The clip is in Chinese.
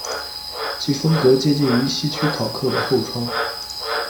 其风格接近于希区考克的《后窗》。